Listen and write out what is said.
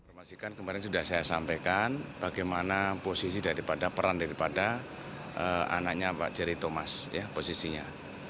informasikan kemarin sudah saya sampaikan bagaimana posisi daripada peran daripada anaknya pak jerry thomas posisinya